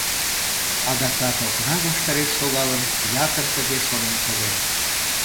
Адакат окна ваштареш шогалын, ятыр тыге шонен шоген.